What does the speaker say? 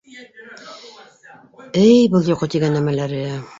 Әй, был йоҡо тигән нәмәләре!